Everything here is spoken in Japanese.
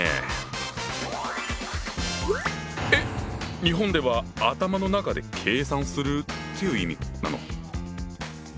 日本では「頭の中で計算する」という意味なの？